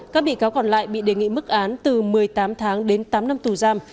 các bị cáo còn lại bị đề nghị mức án từ một mươi tám tháng đến tám năm tù giam